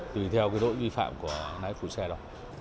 tùy theo cái đội vi phạm của nãi phụ xe đó